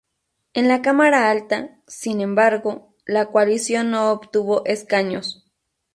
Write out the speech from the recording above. En la cámara alta, sin embargo, la coalición no obtuvo escaños.